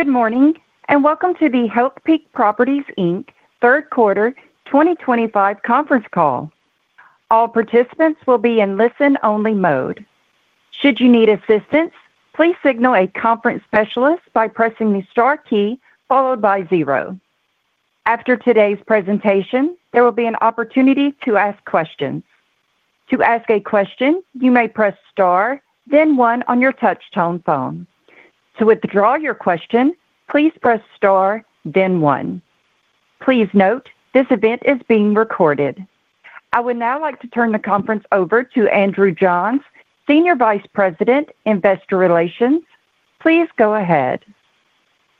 Good morning and welcome to the Healthpeak Properties Inc. third quarter 2025 conference call. All participants will be in listen-only mode. Should you need assistance, please signal a conference specialist by pressing the star key followed by zero. After today's presentation, there will be an opportunity to ask questions. To ask a question, you may press star, then one on your touch-tone phone. To withdraw your question, please press star, then one. Please note this event is being recorded. I would now like to turn the conference over to Andrew Johns, Senior Vice President, Investor Relations. Please go ahead.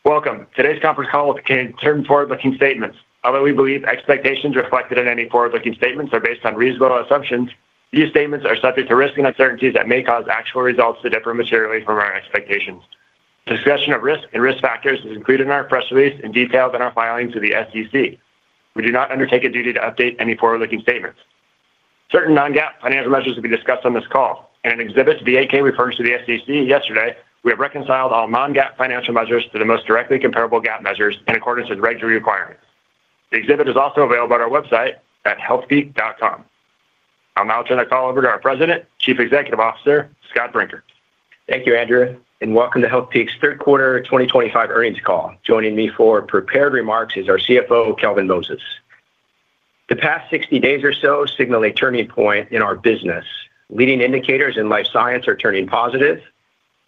Welcome. Today's conference call will contain certain forward-looking statements. Although we believe expectations reflected in any forward-looking statements are based on reasonable assumptions, these statements are subject to risk and uncertainties that may cause actual results to differ materially from our expectations. Discussion of risk and risk factors is included in our press release and detailed in our filings to the SEC. We do not undertake a duty to update any forward-looking statements. Certain non-GAAP financial measures will be discussed on this call. In an exhibit to be filed with the SEC yesterday, we have reconciled all non-GAAP financial measures to the most directly comparable GAAP measures in accordance with regulatory requirements. The exhibit is also available at our website at healthpeak.com. I'll now turn the call over to our President, Chief Executive Officer, Scott Brinker. Thank you, Andrew. Welcome to Healthpeak Properties' third quarter 2025 earnings call. Joining me for prepared remarks is our CFO, Kelvin Moses. The past 60 days or so signal a turning point in our business. Leading indicators in life science are turning positive,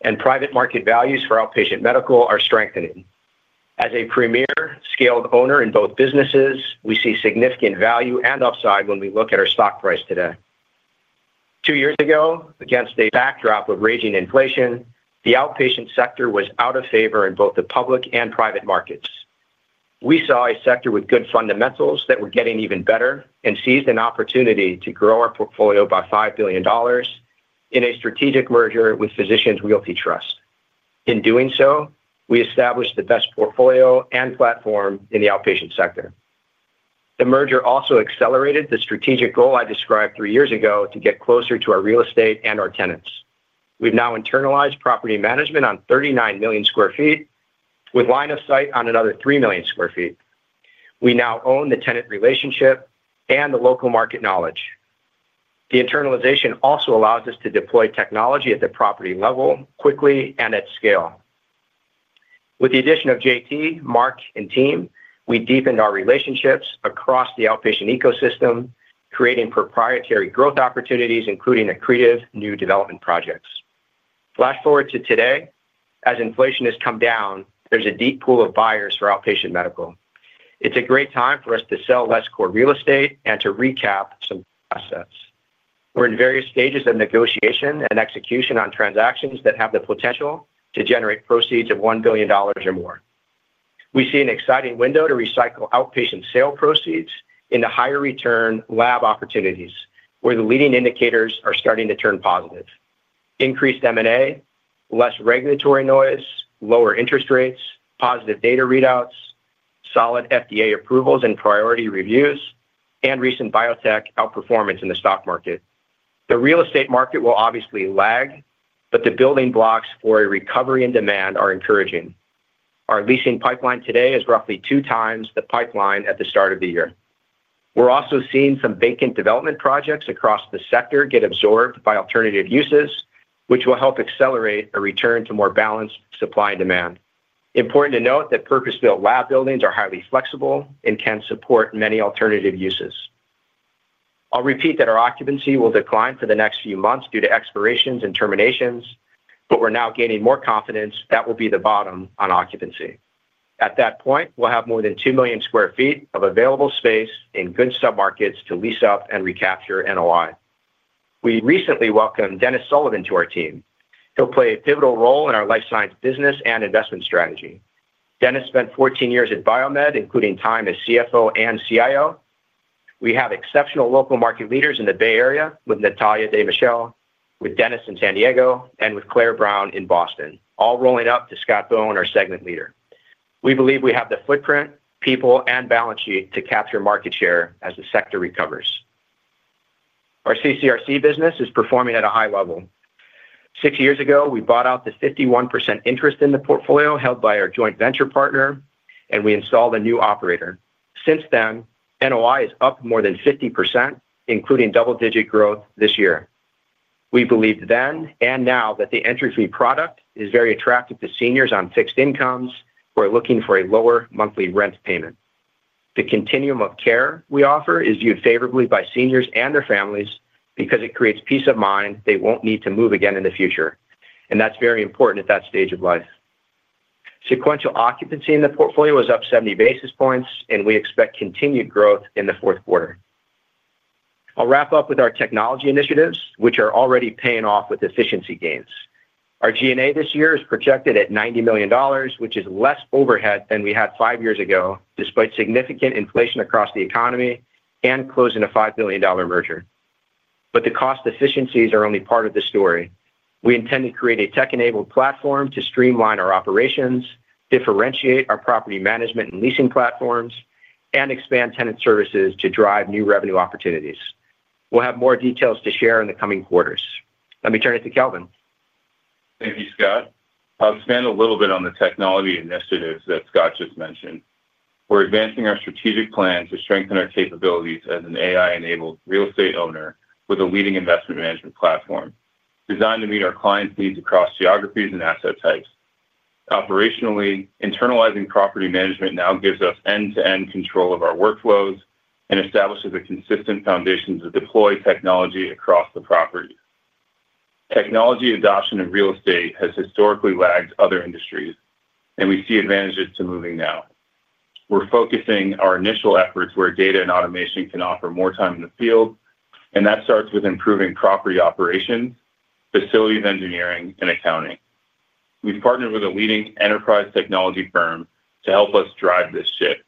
and private market values for outpatient medical are strengthening. As a premier scaled owner in both businesses, we see significant value and upside when we look at our stock price today. Two years ago, against a backdrop of raging inflation, the outpatient sector was out of favor in both the public and private markets. We saw a sector with good fundamentals that were getting even better and seized an opportunity to grow our portfolio by $5 billion in a strategic merger with Physicians Realty Trust. In doing so, we established the best portfolio and platform in the outpatient sector. The merger also accelerated the strategic goal I described three years ago to get closer to our real estate and our tenants. We've now internalized property management on 39 million sq ft with line of sight on another 3 million sq ft. We now own the tenant relationship and the local market knowledge. The internalization also allows us to deploy technology at the property level quickly and at scale. With the addition of JT, Mark, and team, we deepened our relationships across the outpatient ecosystem, creating proprietary growth opportunities, including a creative new development project. Flash forward to today. As inflation has come down, there's a deep pool of buyers for outpatient medical. It's a great time for us to sell less core real estate and to recap some assets. We're in various stages of negotiation and execution on transactions that have the potential to generate proceeds of $1 billion or more. We see an exciting window to recycle outpatient sale proceeds into higher return lab opportunities where the leading indicators are starting to turn positive. Increased M&A, less regulatory noise, lower interest rates, positive data readouts, solid FDA approvals and priority reviews, and recent biotech outperformance in the stock market. The real estate market will obviously lag, but the building blocks for a recovery in demand are encouraging. Our leasing pipeline today is roughly two times the pipeline at the start of the year. We're also seeing some vacant development projects across the sector get absorbed by alternative uses, which will help accelerate a return to more balanced supply and demand. Important to note that purpose-built lab buildings are highly flexible and can support many alternative uses. I'll repeat that our occupancy will decline for the next few months due to expirations and terminations, but we're now gaining more confidence that we'll be the bottom on occupancy. At that point, we'll have more than 2 million sq ft of available space in good submarkets to lease up and recapture NOI. We recently welcomed Dennis Sullivan to our team. He'll play a pivotal role in our life science business and investment strategy. Dennis spent 14 years at Biomed, including time as CFO and CIO. We have exceptional local market leaders in the Bay Area with Natalia de Michel, with Dennis in San Diego, and with Claire Brown in Boston, all rolling up to Scott Bohn, our segment leader. We believe we have the footprint, people, and balance sheet to capture market share as the sector recovers. Our CCRC business is performing at a high level. Six years ago, we bought out the 51% interest in the portfolio held by our joint venture partner, and we installed a new operator. Since then, NOI is up more than 50%, including double-digit growth this year. We believed then and now that the entry-fee product is very attractive to seniors on fixed incomes who are looking for a lower monthly rent payment. The continuum of care we offer is viewed favorably by seniors and their families because it creates peace of mind they won't need to move again in the future. That is very important at that stage of life. Sequential occupancy in the portfolio is up 70 basis points, and we expect continued growth in the fourth quarter. I'll wrap up with our technology initiatives, which are already paying off with efficiency gains. Our G&A this year is projected at $90 million, which is less overhead than we had five years ago, despite significant inflation across the economy and closing a $5 billion merger. The cost efficiencies are only part of the story. We intend to create a tech-enabled platform to streamline our operations, differentiate our property management and leasing platforms, and expand tenant services to drive new revenue opportunities. We'll have more details to share in the coming quarters. Let me turn it to Kelvin. Thank you, Scott. I'll expand a little bit on the technology initiatives that Scott just mentioned. We're advancing our strategic plan to strengthen our capabilities as an AI-enabled real estate owner with a leading investment management platform designed to meet our clients' needs across geographies and asset types. Operationally, internalizing property management now gives us end-to-end control of our workflows and establishes a consistent foundation to deploy technology across the property. Technology adoption in real estate has historically lagged other industries, and we see advantages to moving now. We're focusing our initial efforts where data and automation can offer more time in the field, and that starts with improving property operations, facilities engineering, and accounting. We've partnered with a leading enterprise technology firm to help us drive this shift.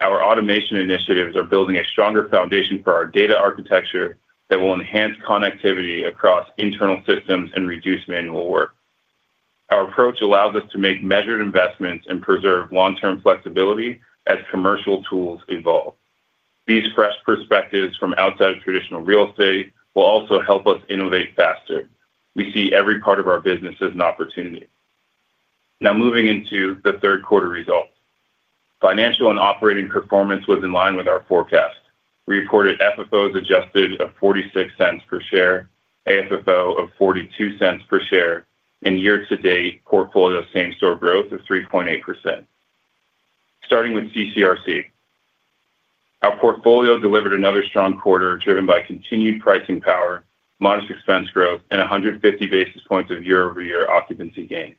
Our automation initiatives are building a stronger foundation for our data architecture that will enhance connectivity across internal systems and reduce manual work. Our approach allows us to make measured investments and preserve long-term flexibility as commercial tools evolve. These fresh perspectives from outside of traditional real estate will also help us innovate faster. We see every part of our business as an opportunity. Now moving into the third quarter results. Financial and operating performance was in line with our forecast. We reported FFO as adjusted of $0.46 per share, AFFO of $0.42 per share, and year-to-date portfolio same-store growth of 3.8%. Starting with CCRC, our portfolio delivered another strong quarter driven by continued pricing power, modest expense growth, and 150 basis points of year-over-year occupancy gain.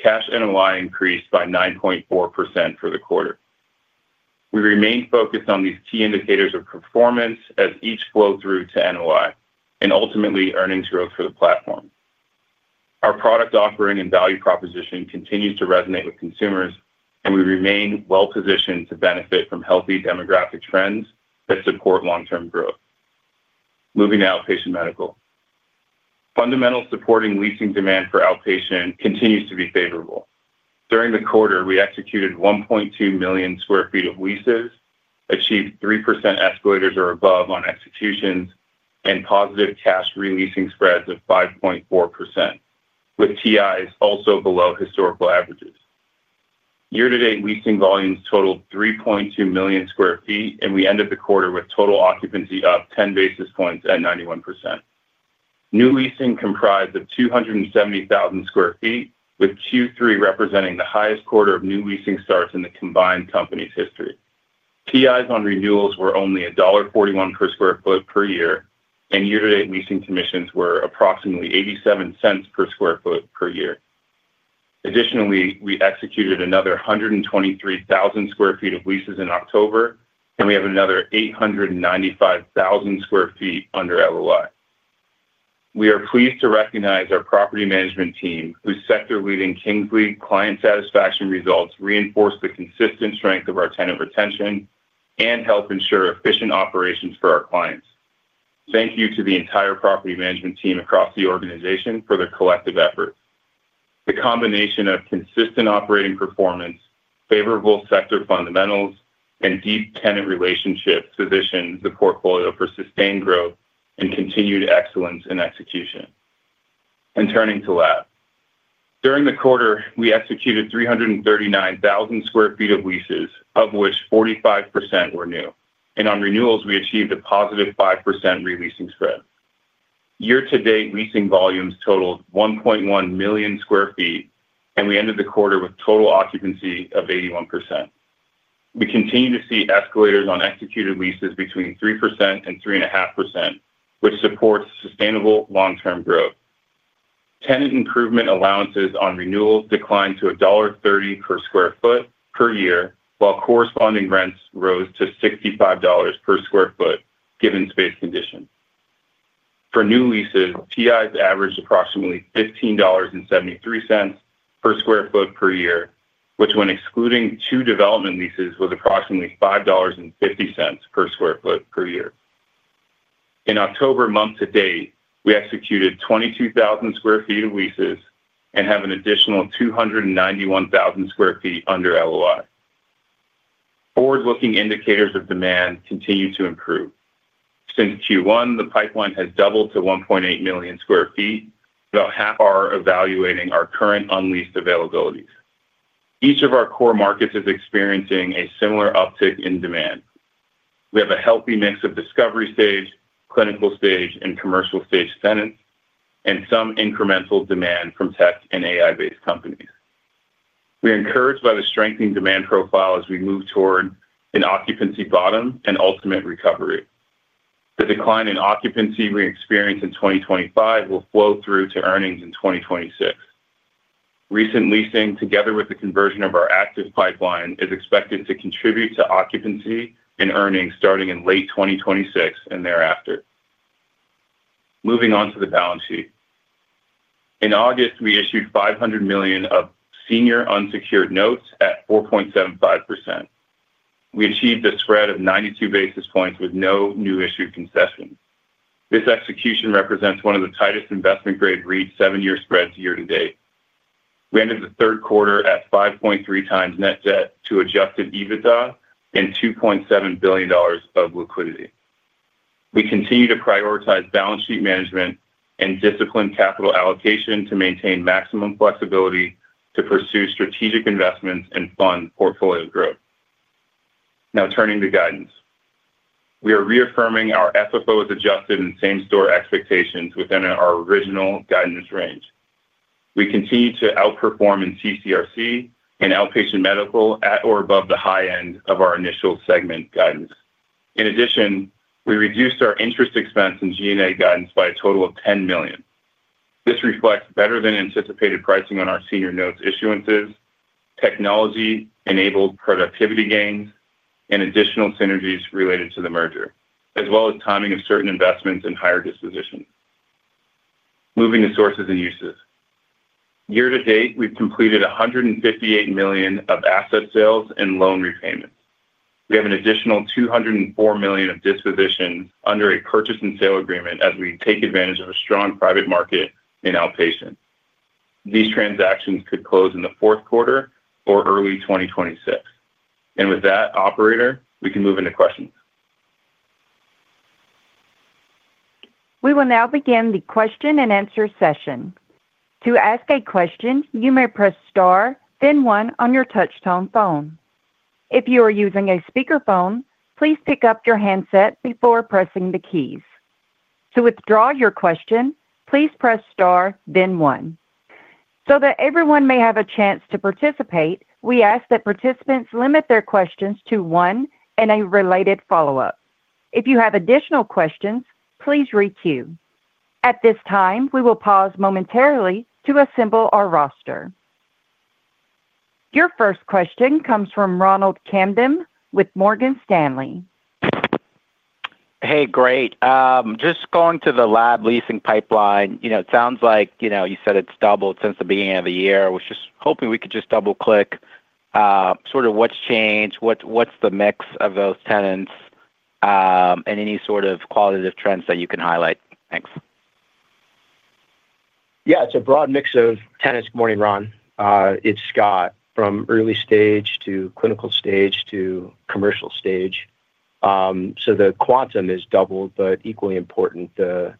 Cash NOI increased by 9.4% for the quarter. We remain focused on these key indicators of performance as each flow through to NOI and ultimately earnings growth for the platform. Our product offering and value proposition continues to resonate with consumers, and we remain well-positioned to benefit from healthy demographic trends that support long-term growth. Moving to outpatient medical, fundamentals supporting leasing demand for outpatient continues to be favorable. During the quarter, we executed 1.2 million sq ft of leases, achieved 3% escalators or above on executions, and positive cash releasing spreads of 5.4%, with TIs also below historical averages. Year-to-date leasing volumes totaled 3.2 million sq ft, and we ended the quarter with total occupancy up 10 basis points at 91%. New leasing comprised of 270,000 sq ft, with Q3 representing the highest quarter of new leasing starts in the combined company's history. TIs on renewals were only $1.41 per square foot per year, and year-to-date leasing commissions were approximately $0.87 per square foot per year. Additionally, we executed another 123,000 sq ft of leases in October, and we have another 895,000 sq ft under LOI. We are pleased to recognize our property management team, whose sector-leading Kingsley client satisfaction results reinforce the consistent strength of our tenant retention and help ensure efficient operations for our clients. Thank you to the entire property management team across the organization for their collective efforts. The combination of consistent operating performance, favorable sector fundamentals, and deep tenant relationships position the portfolio for sustained growth and continued excellence in execution. Turning to lab, during the quarter, we executed 339,000 sq ft of leases, of which 45% were new. On renewals, we achieved a positive 5% releasing spread. Year-to-date leasing volumes totaled 1.1 million sq ft, and we ended the quarter with total occupancy of 81%. We continue to see escalators on executed leases between 3% and 3.5%, which supports sustainable long-term growth. Tenant improvement allowances on renewals declined to $1.30 per square foot per year, while corresponding rents rose to $65 per square foot given space conditions. For new leases, TIs averaged approximately $15.73 per square foot per year, which when excluding two development leases was approximately $5.50 per square foot per year. In October month to date, we executed 22,000 sq ft of leases and have an additional 291,000 sq ft under LOI. Forward-looking indicators of demand continue to improve. Since Q1, the pipeline has doubled to 1.8 million sq ft, about half are evaluating our current unleased availabilities. Each of our core markets is experiencing a similar uptick in demand. We have a healthy mix of discovery stage, clinical stage, and commercial stage tenants, and some incremental demand from tech and AI-based companies. We are encouraged by the strengthening demand profile as we move toward an occupancy bottom and ultimate recovery. The decline in occupancy we experience in 2025 will flow through to earnings in 2026. Recent leasing, together with the conversion of our active pipeline, is expected to contribute to occupancy and earnings starting in late 2026 and thereafter. Moving on to the balance sheet. In August, we issued $500 million of senior unsecured notes at 4.75%. We achieved a spread of 92 basis points with no new issue concessions. This execution represents one of the tightest investment-grade REITs seven-year spreads year-to-date. We ended the third quarter at 5.3x net debt to adjusted EBITDA and $2.7 billion of liquidity. We continue to prioritize balance sheet management and disciplined capital allocation to maintain maximum flexibility to pursue strategic investments and fund portfolio growth. Now turning to guidance, we are reaffirming our FFOs adjusted and same-store expectations within our original guidance range. We continue to outperform in CCRC and outpatient medical at or above the high end of our initial segment guidance. In addition, we reduced our interest expense and G&A guidance by a total of $10 million. This reflects better than anticipated pricing on our senior notes issuances, technology-enabled productivity gains, and additional synergies related to the merger, as well as timing of certain investments and higher dispositions. Moving to sources and uses. Year-to-date, we've completed $158 million of asset sales and loan repayments. We have an additional $204 million of dispositions under a purchase and sale agreement as we take advantage of a strong private market in outpatient. These transactions could close in the fourth quarter or early 2026. With that, operator, we can move into questions. We will now begin the question and answer session. To ask a question, you may press star, then one on your touch-tone phone. If you are using a speakerphone, please pick up your handset before pressing the keys. To withdraw your question, please press star, then one. So that everyone may have a chance to participate, we ask that participants limit their questions to one and a related follow-up. If you have additional questions, please re-queue. At this time, we will pause momentarily to assemble our roster. Your first question comes from Ronald Kamdem with Morgan Stanley. Hey, great. Just going to the lab leasing pipeline, it sounds like you said it's doubled since the beginning of the year. I was just hoping we could double-click, sort of what's changed, what's the mix of those tenants, and any sort of qualitative trends that you can highlight. Thanks. Yeah, it's a broad mix of tenants. Morning, Ron. It's Scott. From early stage to clinical stage to commercial stage. The quantum is doubled, but equally important, the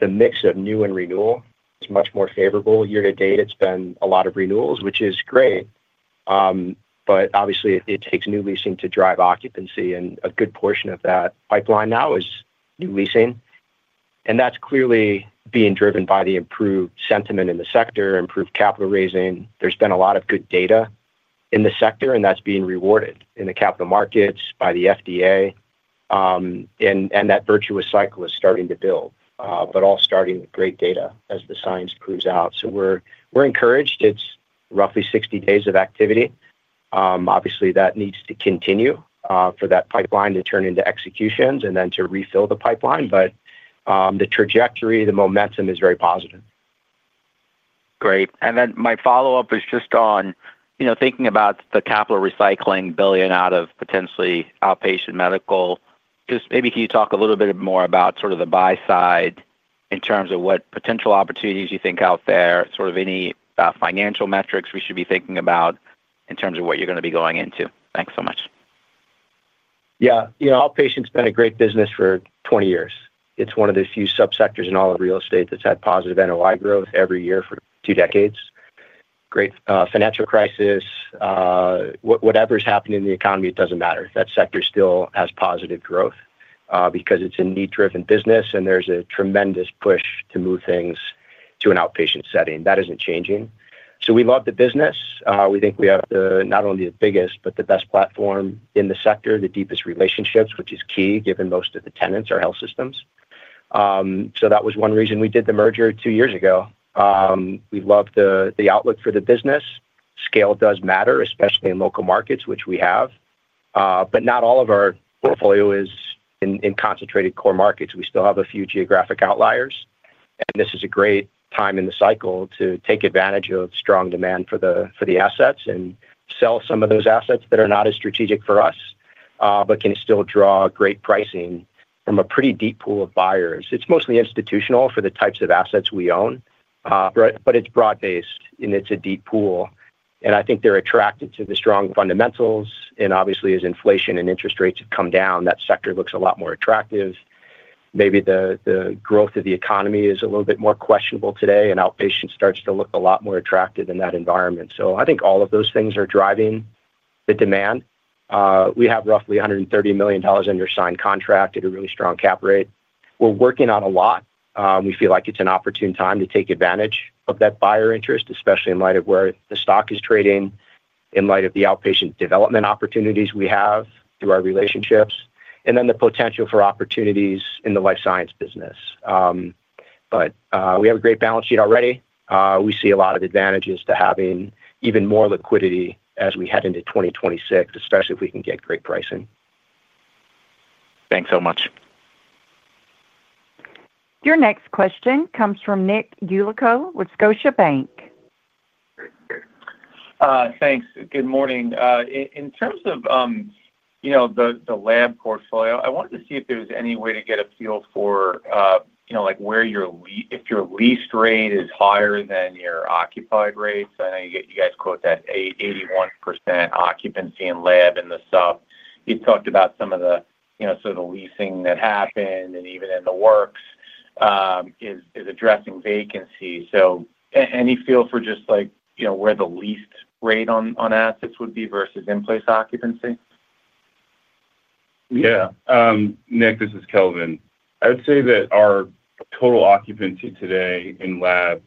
mix of new and renewal is much more favorable. Year-to-date, it's been a lot of renewals, which is great. Obviously, it takes new leasing to drive occupancy, and a good portion of that pipeline now is new leasing. That's clearly being driven by the improved sentiment in the sector, improved capital raising. There's been a lot of good data in the sector, and that's being rewarded in the capital markets by the FDA. That virtuous cycle is starting to build, all starting with great data as the science proves out. We're encouraged. It's roughly 60 days of activity. Obviously, that needs to continue for that pipeline to turn into executions and then to refill the pipeline. The trajectory, the momentum is very positive. Great. My follow-up is just on thinking about the capital recycling, $1 billion out of potentially outpatient medical. Maybe can you talk a little bit more about the buy side in terms of what potential opportunities you think are out there, and any financial metrics we should be thinking about in terms of what you're going to be going into? Thanks so much. Yeah, you know, outpatient's been a great business for 20 years. It's one of the few subsectors in all of real estate that's had positive NOI growth every year for two decades. Great financial crisis, whatever's happening in the economy, it doesn't matter. That sector still has positive growth because it's a need-driven business, and there's a tremendous push to move things to an outpatient setting. That isn't changing. We love the business. We think we have not only the biggest, but the best platform in the sector, the deepest relationships, which is key given most of the tenants are health systems. That was one reason we did the merger two years ago. We love the outlook for the business. Scale does matter, especially in local markets, which we have. Not all of our portfolio is in concentrated core markets. We still have a few geographic outliers. This is a great time in the cycle to take advantage of strong demand for the assets and sell some of those assets that are not as strategic for us, but can still draw great pricing from a pretty deep pool of buyers. It's mostly institutional for the types of assets we own, but it's broad-based and it's a deep pool. I think they're attracted to the strong fundamentals. Obviously, as inflation and interest rates have come down, that sector looks a lot more attractive. Maybe the growth of the economy is a little bit more questionable today, and outpatient starts to look a lot more attractive in that environment. I think all of those things are driving the demand. We have roughly $130 million under signed contract at a really strong cap rate. We're working on a lot. We feel like it's an opportune time to take advantage of that buyer interest, especially in light of where the stock is trading, in light of the outpatient development opportunities we have through our relationships, and then the potential for opportunities in the life science business. We have a great balance sheet already. We see a lot of advantages to having even more liquidity as we head into 2026, especially if we can get great pricing. Thanks so much. Your next question comes from Nick Yulico with Scotiabank. Thanks. Good morning. In terms of the lab portfolio, I wanted to see if there was any way to get a feel for where your lease, if your lease rate is higher than your occupied rates. I know you guys quote that 81% occupancy in lab in the sub. You talked about some of the leasing that happened and even in the works is addressing vacancy. Any feel for just where the leased rate on assets would be versus in-place occupancy? Yeah. Nick, this is Kelvin. I would say that our total occupancy today in lab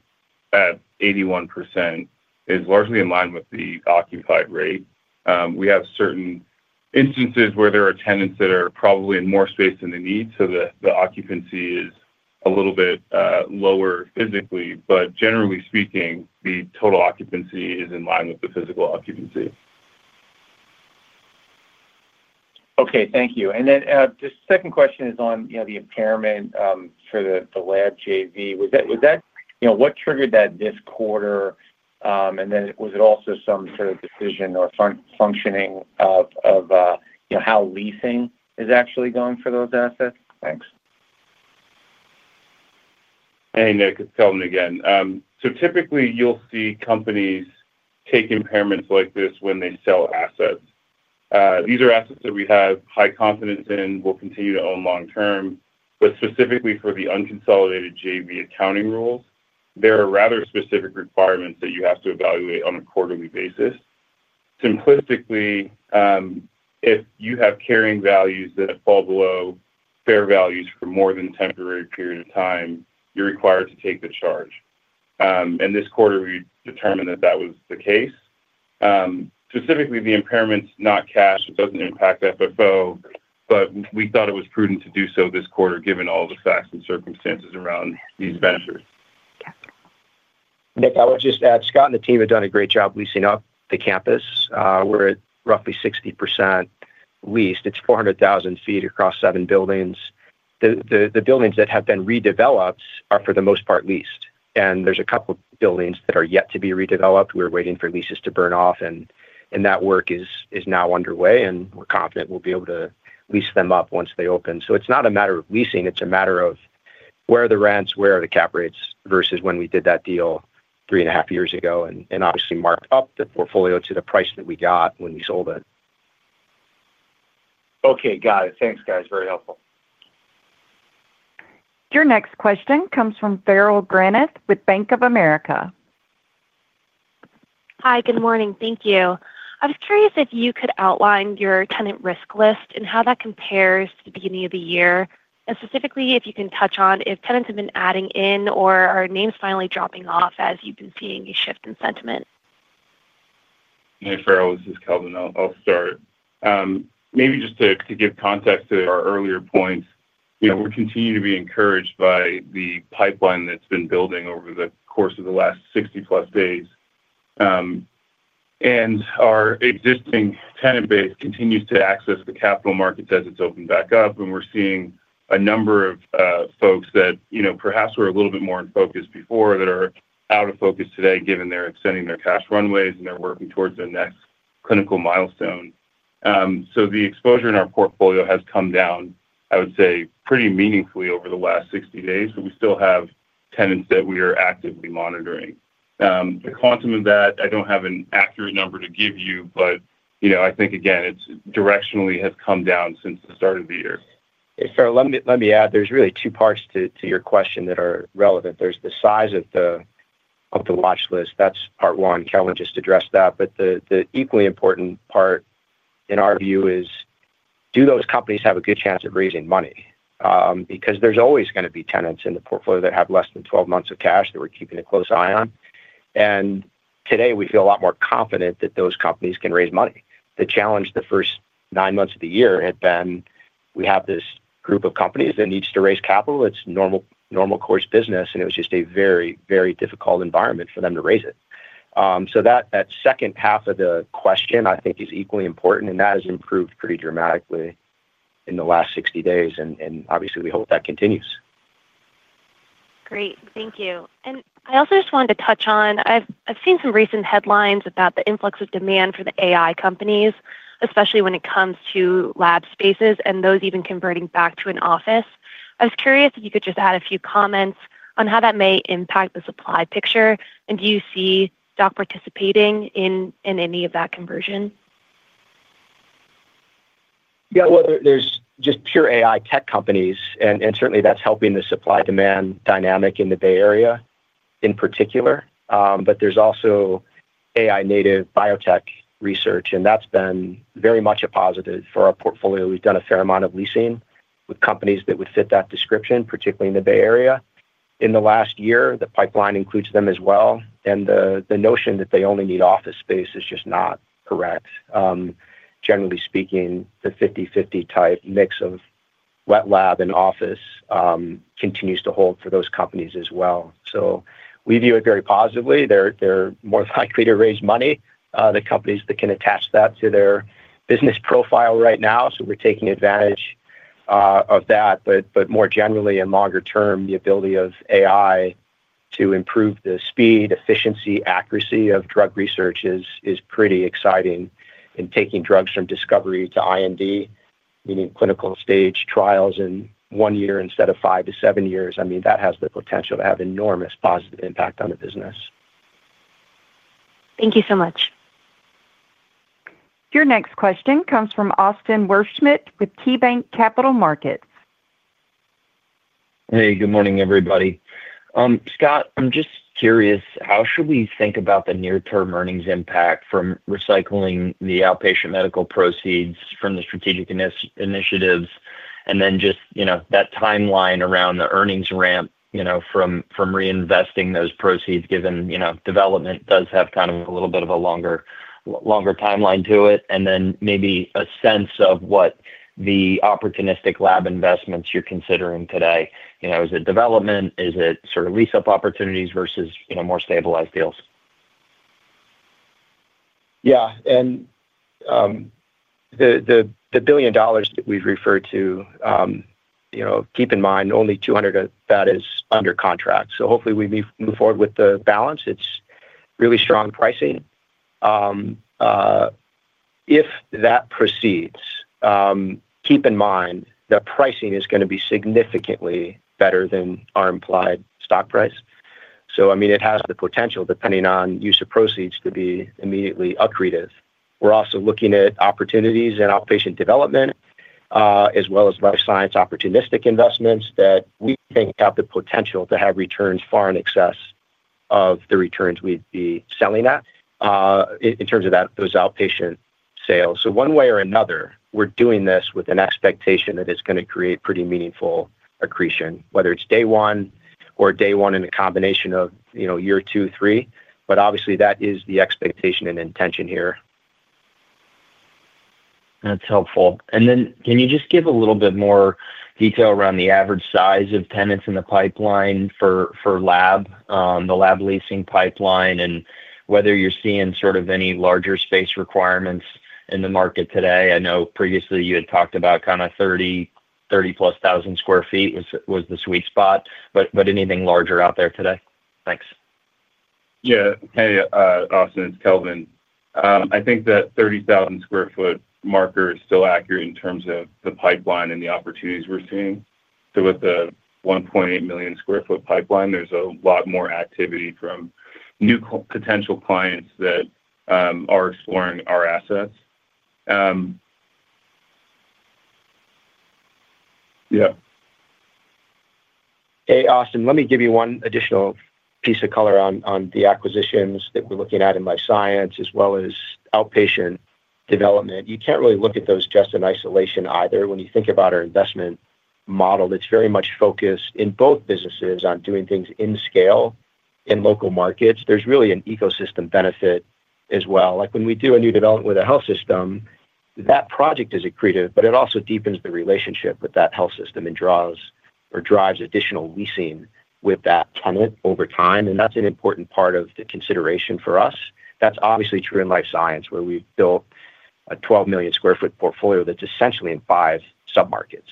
at 81% is largely in line with the occupied rate. We have certain instances where there are tenants that are probably in more space than they need, so the occupancy is a little bit lower physically. Generally speaking, the total occupancy is in line with the physical occupancy. Thank you. The second question is on the impairment for the lab JV. What triggered that this quarter? Was it also some sort of decision or functioning of how leasing is actually going for those assets? Thanks. Hey, Nick. It's Kelvin again. Typically, you'll see companies take impairments like this when they sell assets. These are assets that we have high confidence in, we'll continue to own long term. Specifically, for the unconsolidated JV accounting rules, there are rather specific requirements that you have to evaluate on a quarterly basis. Simplistically, if you have carrying values that fall below fair values for more than a temporary period of time, you're required to take the charge. This quarter, we determined that that was the case. Specifically, the impairment's not cash. It doesn't impact FFO, but we thought it was prudent to do so this quarter given all the facts and circumstances around these ventures. Nick, I would just add, Scott and the team have done a great job leasing up the campus. We're at roughly 60% leased. It's 400,000 ft across seven buildings. The buildings that have been redeveloped are, for the most part, leased. There are a couple of buildings that are yet to be redeveloped. We're waiting for leases to burn off, and that work is now underway. We're confident we'll be able to lease them up once they open. It's not a matter of leasing. It's a matter of where are the rents, where are the cap rates versus when we did that deal three and a half years ago and obviously marked up the portfolio to the price that we got when we sold it. Okay. Got it. Thanks, guys. Very helpful. Your next question comes from Farrell Granath with Bank of America. Hi. Good morning. Thank you. I was curious if you could outline your tenant risk list and how that compares to the beginning of the year, and specifically if you can touch on if tenants have been adding in or are names finally dropping off as you've been seeing a shift in sentiment. Hey, Farrell. This is Kelvin. I'll start. Maybe just to give context to our earlier points, we continue to be encouraged by the pipeline that's been building over the course of the last 60+ days. Our existing tenant base continues to access the capital markets as it's opened back up. We're seeing a number of folks that perhaps were a little bit more in focus before that are out of focus today given they're extending their cash runways and they're working towards their next clinical milestone. The exposure in our portfolio has come down, I would say, pretty meaningfully over the last 60 days, but we still have tenants that we are actively monitoring. The quantum of that, I don't have an accurate number to give you, but I think, again, it directionally has come down since the start of the year. Hey, Farrell, let me add, there's really two parts to your question that are relevant. There's the size of the watch list. That's part one. Kelvin just addressed that. The equally important part in our view is, do those companies have a good chance of raising money? There's always going to be tenants in the portfolio that have less than 12 months of cash that we're keeping a close eye on. Today, we feel a lot more confident that those companies can raise money. The challenge the first nine months of the year had been we have this group of companies that needs to raise capital. It's normal course business, and it was just a very, very difficult environment for them to raise it. That second half of the question, I think, is equally important, and that has improved pretty dramatically in the last 60 days. Obviously, we hope that continues. Great, thank you. I also just wanted to touch on, I've seen some recent headlines about the influx of demand for the AI companies, especially when it comes to lab spaces and those even converting back to an office. I was curious if you could just add a few comments on how that may impact the supply picture. Do you see stock participating in any of that conversion? There are just pure AI tech companies, and certainly, that's helping the supply-demand dynamic in the Bay Area in particular. There's also AI-native biotech research, and that's been very much a positive for our portfolio. We've done a fair amount of leasing with companies that would fit that description, particularly in the Bay Area. In the last year, the pipeline includes them as well. The notion that they only need office space is just not correct. Generally speaking, the 50/50 type mix of wet lab and office continues to hold for those companies as well. We view it very positively. They're more likely to raise money, the companies that can attach that to their business profile right now. We're taking advantage of that. More generally, in longer term, the ability of AI to improve the speed, efficiency, accuracy of drug research is pretty exciting in taking drugs from discovery to I&D, meaning clinical stage trials in one year instead of five to seven years. That has the potential to have enormous positive impact on the business. Thank you so much. Your next question comes from Austin Wurschmidt with KeyBanc Capital Markets. Hey, good morning, everybody. Scott, I'm just curious, how should we think about the near-term earnings impact from recycling the outpatient medical proceeds from the strategic initiatives? Then just, you know, that timeline around the earnings ramp from reinvesting those proceeds given development does have kind of a little bit of a longer timeline to it. Maybe a sense of what the opportunistic lab investments you're considering today. Is it development? Is it sort of lease-up opportunities versus more stabilized deals? Yeah. The $1 billion that we've referred to, keep in mind only $200 million of that is under contract. Hopefully, we move forward with the balance. It's really strong pricing. If that proceeds, keep in mind the pricing is going to be significantly better than our implied stock price. It has the potential, depending on use of proceeds, to be immediately accretive. We're also looking at opportunities in outpatient development, as well as life science opportunistic investments that we think have the potential to have returns far in excess of the returns we'd be selling at in terms of those outpatient sales. One way or another, we're doing this with an expectation that it's going to create pretty meaningful accretion, whether it's day one or day one in a combination of year two, three. That is the expectation and intention here. That's helpful. Can you just give a little bit more detail around the average size of tenants in the pipeline for lab, the lab leasing pipeline, and whether you're seeing sort of any larger space requirements in the market today? I know previously you had talked about kind of 30,000, 30,000+ sq ft was the sweet spot. Anything larger out there today? Thanks. Yeah. Hey, Austin. It's Kelvin. I think that 30,000 sq ft marker is still accurate in terms of the pipeline and the opportunities we're seeing. With the 1.8 million sq ft pipeline, there's a lot more activity from new potential clients that are exploring our assets. Yeah. Hey, Austin. Let me give you one additional piece of color on the acquisitions that we're looking at in life science as well as outpatient development. You can't really look at those just in isolation either. When you think about our investment model, it's very much focused in both businesses on doing things in scale in local markets. There's really an ecosystem benefit as well. For example, when we do a new development with a health system, that project is accretive, but it also deepens the relationship with that health system and drives additional leasing with that tenant over time. That's an important part of the consideration for us. That's obviously true in life science where we've built a 12 million square foot portfolio that's essentially in five submarkets.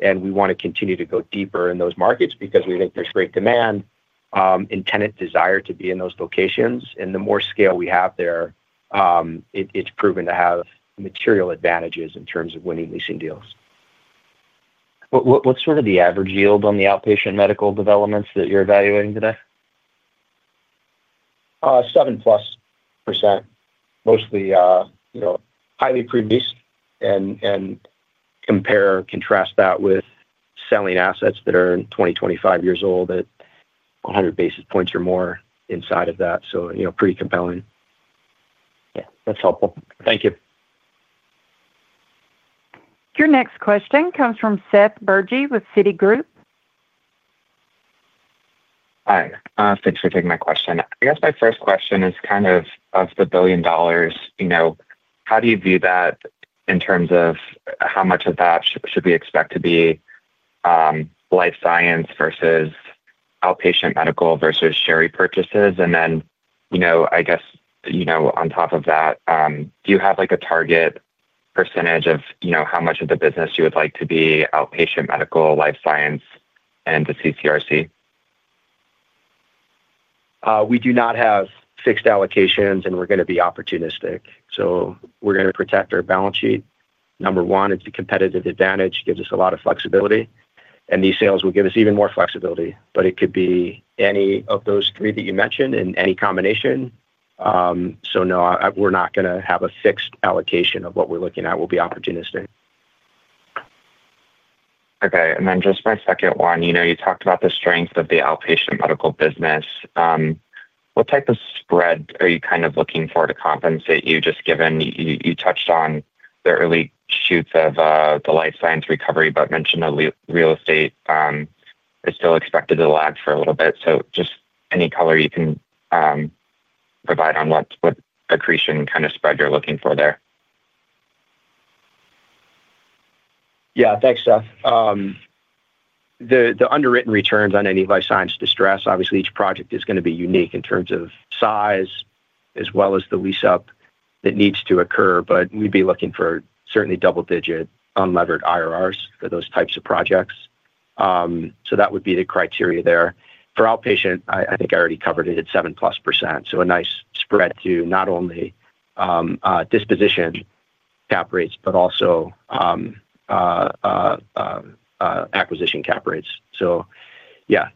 We want to continue to go deeper in those markets because we think there's great demand and tenant desire to be in those locations. The more scale we have there, it's proven to have material advantages in terms of winning leasing deals. What's sort of the average yield on the outpatient medical developments that you're evaluating today? 7+%. Mostly, you know, highly pre-leased. Compare or contrast that with selling assets that are 20, 25 years old at 100 basis points or more inside of that. Pretty compelling. Yeah, that's helpful. Thank you. Your next question comes from Seth Bergey with Citigroup. Hi. Thanks for taking my question. I guess my first question is, of the billion dollars, you know, how do you view that in terms of how much of that should we expect to be life science versus outpatient medical versus share repurchases? Then, you know, on top of that, do you have like a target percentage of, you know, how much of the business you would like to be outpatient medical, life science, and the CCRC? We do not have fixed allocations, and we're going to be opportunistic. We're going to protect our balance sheet. Number one, it's a competitive advantage. It gives us a lot of flexibility. These sales will give us even more flexibility. It could be any of those three that you mentioned in any combination. No, we're not going to have a fixed allocation of what we're looking at. We'll be opportunistic. Okay. My second one, you talked about the strength of the outpatient medical business. What type of spread are you kind of looking for to compensate you, just given you touched on the early shoots of the life science recovery, but mentioned that real estate is still expected to lag for a little bit. Any color you can provide on what accretion kind of spread you're looking for there. Yeah. Thanks, Seth. The underwritten returns on any life science distress, obviously, each project is going to be unique in terms of size as well as the lease-up that needs to occur. We'd be looking for certainly double-digit unlevered IRRs for those types of projects. That would be the criteria there. For outpatient, I think I already covered it at 7+%. A nice spread to not only disposition cap rates, but also acquisition cap rates. That's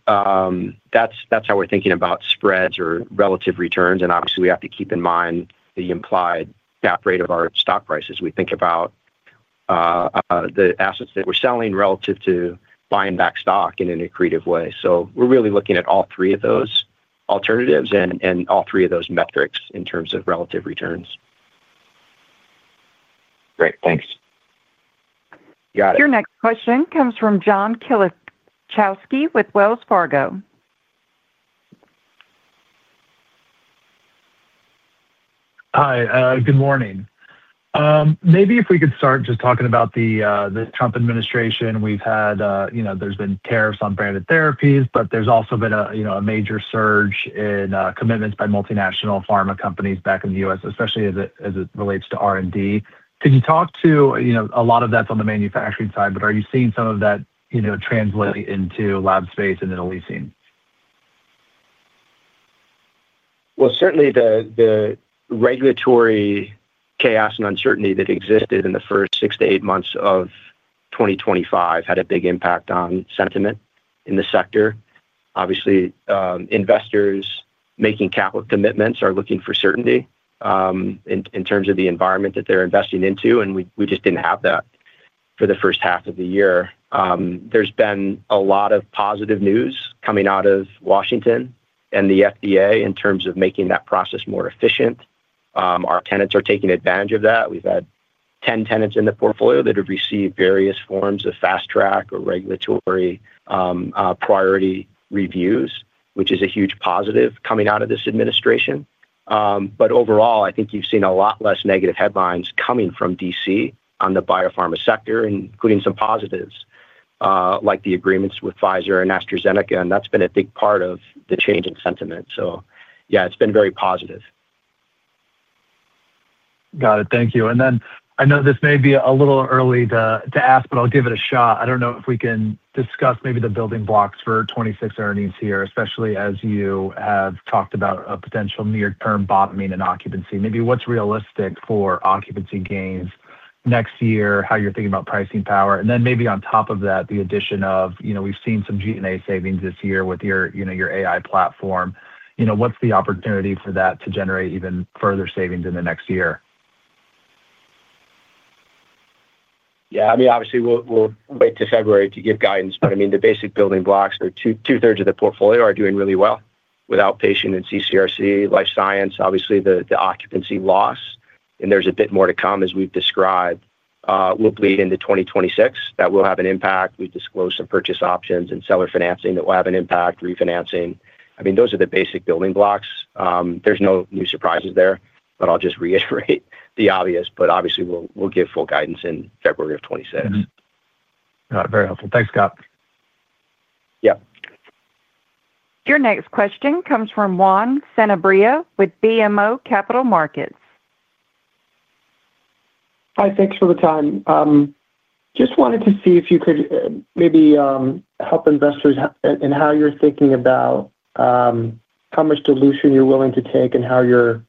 how we're thinking about spreads or relative returns. Obviously, we have to keep in mind the implied cap rate of our stock price as we think about the assets that we're selling relative to buying back stock in an accretive way. We're really looking at all three of those alternatives and all three of those metrics in terms of relative returns. Great. Thanks. Got it. Your next question comes from John Pawlowski with Wells Fargo. Hi. Good morning. Maybe if we could start just talking about the Trump administration. We've had, you know, there's been tariffs on branded therapies, but there's also been a major surge in commitments by multinational pharma companies back in the U.S., especially as it relates to R&D. Can you talk to, you know, a lot of that's on the manufacturing side, but are you seeing some of that, you know, translate into lab space and then leasing? Certainly, the regulatory chaos and uncertainty that existed in the first six to eight months of 2025 had a big impact on sentiment in the sector. Obviously, investors making capital commitments are looking for certainty in terms of the environment that they're investing into, and we just didn't have that for the first half of the year. There's been a lot of positive news coming out of Washington and the FDA in terms of making that process more efficient. Our tenants are taking advantage of that. We've had 10 tenants in the portfolio that have received various forms of fast-track or regulatory priority reviews, which is a huge positive coming out of this administration. Overall, I think you've seen a lot less negative headlines coming from DC on the biopharma sector, including some positives like the agreements with Pfizer and AstraZeneca. That's been a big part of the change in sentiment. Yeah, it's been very positive. Got it. Thank you. I know this may be a little early to ask, but I'll give it a shot. I don't know if we can discuss maybe the building blocks for 2026 earnings here, especially as you have talked about a potential near-term bottoming in occupancy. Maybe what's realistic for occupancy gains next year, how you're thinking about pricing power, and then on top of that, the addition of, you know, we've seen some G&A savings this year with your AI platform. What's the opportunity for that to generate even further savings in the next year? Yeah. Obviously, we'll wait till February to give guidance. The basic building blocks are two-thirds of the portfolio are doing really well with outpatient and CCRC, life science. Obviously, the occupancy loss, and there's a bit more to come as we've described, will bleed into 2026. That will have an impact. We've disclosed some purchase options and seller financing that will have an impact, refinancing. Those are the basic building blocks. There's no new surprises there, but I'll just reiterate the obvious. Obviously, we'll give full guidance in February of 2026. Got it. Very helpful. Thanks, Scott. Yeah. Your next question comes from Juan Senabria with BMO Capital Markets. Hi. Thanks for the time. Just wanted to see if you could maybe help investors in how you're thinking about how much dilution you're willing to take and how you're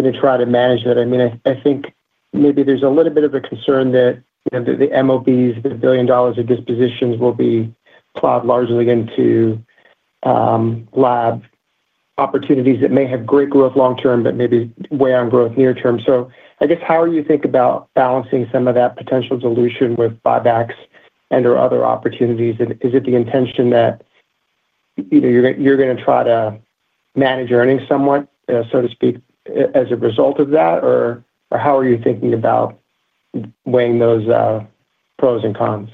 going to try to manage that. I mean, I think maybe there's a little bit of a concern that the MOBs, the $1 billion of dispositions, will be plowed largely into lab opportunities that may have great growth long term, but maybe weigh on growth near term. I guess how are you thinking about balancing some of that potential dilution with buybacks and/or other opportunities? Is it the intention that you're going to try to manage earnings somewhat, so to speak, as a result of that? How are you thinking about weighing those pros and cons?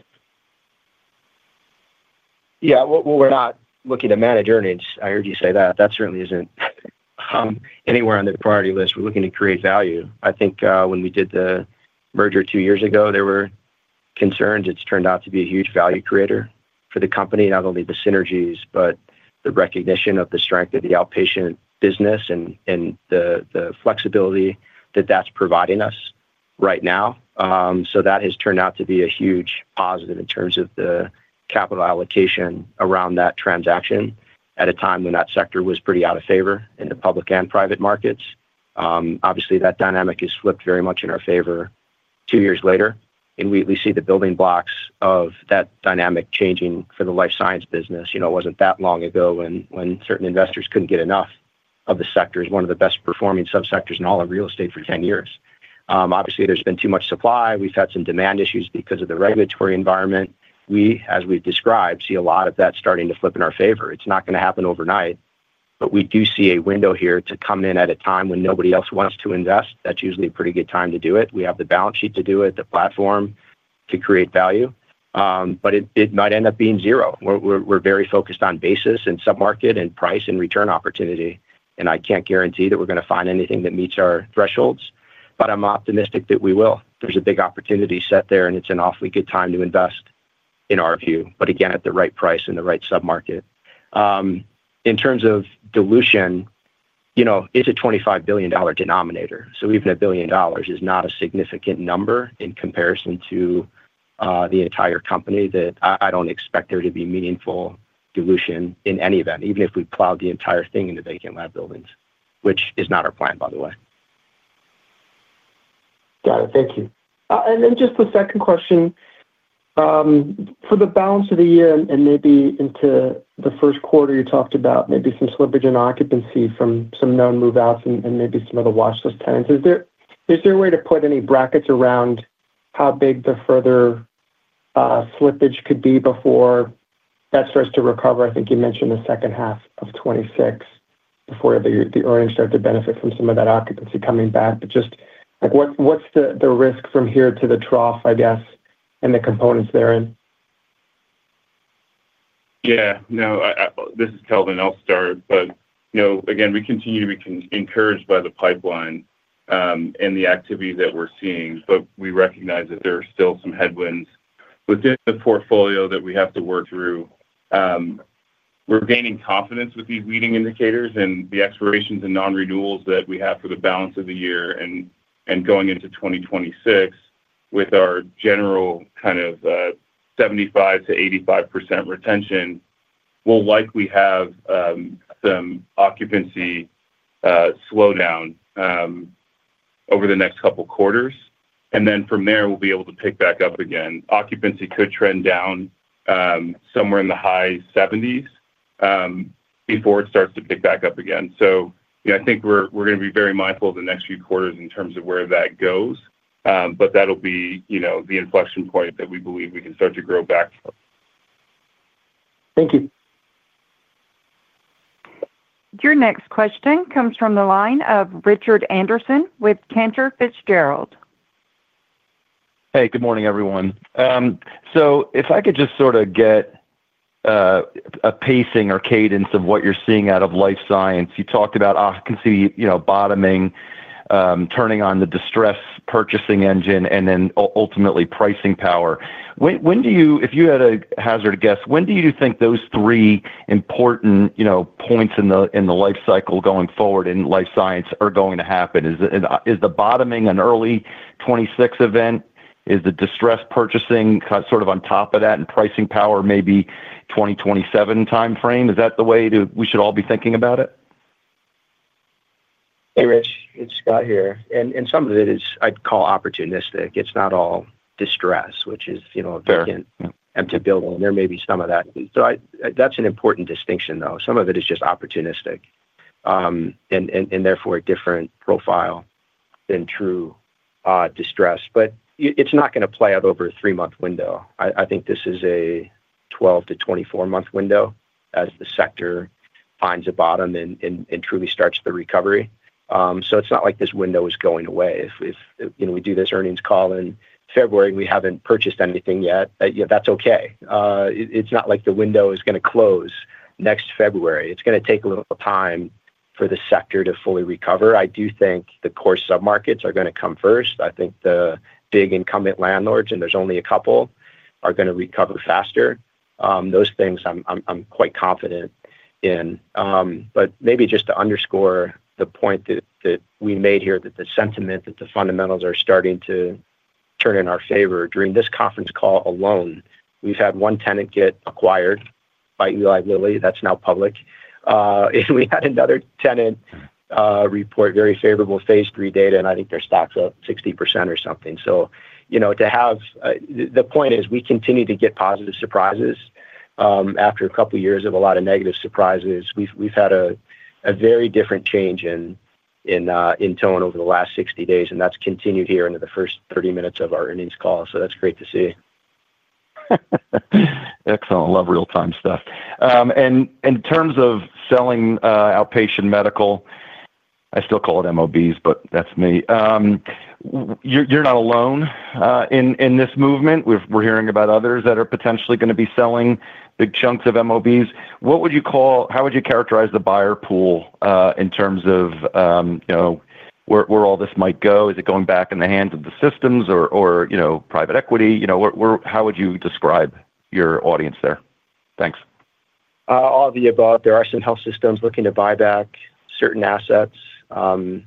Yeah. We're not looking to manage earnings. I heard you say that. That certainly isn't anywhere on the priority list. We're looking to create value. I think when we did the merger two years ago, there were concerns. It's turned out to be a huge value creator for the company, not only the synergies, but the recognition of the strength of the outpatient business and the flexibility that that's providing us right now. That has turned out to be a huge positive in terms of the capital allocation around that transaction at a time when that sector was pretty out of favor in the public and private markets. Obviously, that dynamic has flipped very much in our favor two years later. We see the building blocks of that dynamic changing for the life science business. It wasn't that long ago when certain investors couldn't get enough of the sector as one of the best-performing subsectors in all of real estate for 10 years. Obviously, there's been too much supply. We've had some demand issues because of the regulatory environment. We, as we've described, see a lot of that starting to flip in our favor. It's not going to happen overnight. We do see a window here to come in at a time when nobody else wants to invest. That's usually a pretty good time to do it. We have the balance sheet to do it, the platform to create value. It might end up being zero. We're very focused on basis and submarket and price and return opportunity. I can't guarantee that we're going to find anything that meets our thresholds, but I'm optimistic that we will. There's a big opportunity set there, and it's an awfully good time to invest in our view, again, at the right price and the right submarket. In terms of dilution, it's a $25 billion denominator. Even a billion dollars is not a significant number in comparison to the entire company. I don't expect there to be meaningful dilution in any event, even if we plowed the entire thing into vacant lab buildings, which is not our plan, by the way. Got it. Thank you. For the balance of the year and maybe into the first quarter, you talked about maybe some slippage in occupancy from some known move-outs and maybe some of the watchlist tenants. Is there a way to put any brackets around how big the further slippage could be before that starts to recover? I think you mentioned the second half of 2026 before the earnings start to benefit from some of that occupancy coming back. Just what's the risk from here to the trough, I guess, and the components therein? Yeah. No, this is Kelvin. I'll start. We continue to be encouraged by the pipeline and the activity that we're seeing. We recognize that there are still some headwinds within the portfolio that we have to work through. We're gaining confidence with these leading indicators and the expirations and non-renewals that we have for the balance of the year. Going into 2026, with our general kind of 75%-85% retention, we'll likely have some occupancy slowdown over the next couple of quarters. From there, we'll be able to pick back up again. Occupancy could trend down somewhere in the high 70% before it starts to pick back up again. I think we're going to be very mindful of the next few quarters in terms of where that goes. That'll be the inflection point that we believe we can start to grow back from. Thank you. Your next question comes from the line of Rich Anderson with Cantor Fitzgerald. Good morning, everyone. If I could just sort of get a pacing or cadence of what you're seeing out of life science, you talked about, I can see, you know, bottoming, turning on the distress purchasing engine, and then ultimately pricing power. When do you, if you had a hazard guess, when do you think those three important points in the life cycle going forward in life science are going to happen? Is the bottoming an early 2026 event? Is the distress purchasing sort of on top of that and pricing power maybe 2027 timeframe? Is that the way we should all be thinking about it? Hey, Rich. It's Scott here. Some of it is I'd call opportunistic. It's not all distress, which is, you know, a vacant empty building. There may be some of that. That's an important distinction, though. Some of it is just opportunistic and therefore a different profile than true distress. It's not going to play out over a three-month window. I think this is a 12 to 24-month window as the sector finds a bottom and truly starts the recovery. It's not like this window is going away. If, you know, we do this earnings call in February and we haven't purchased anything yet, that's okay. It's not like the window is going to close next February. It's going to take a little time for the sector to fully recover. I do think the core submarkets are going to come first. I think the big incumbent landlords, and there's only a couple, are going to recover faster. Those things I'm quite confident in. Maybe just to underscore the point that we made here, the sentiment, the fundamentals are starting to turn in our favor. During this conference call alone, we've had one tenant get acquired by Eli Lilly. That's now public. We had another tenant report very favorable phase three data, and I think their stock's up 60% or something. The point is we continue to get positive surprises. After a couple of years of a lot of negative surprises, we've had a very different change in tone over the last 60 days, and that's continued here into the first 30 minutes of our earnings call. That's great to see. Excellent. Love real-time stuff. In terms of selling outpatient medical, I still call it MOBs, but that's me. You're not alone in this movement. We're hearing about others that are potentially going to be selling big chunks of MOBs. What would you call, how would you characterize the buyer pool in terms of where all this might go? Is it going back in the hands of the systems or private equity? How would you describe your audience there? Thanks. All of the above. There are some health systems looking to buy back certain assets. Private